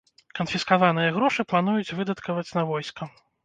Канфіскаваныя грошы плануюць выдаткаваць на войска.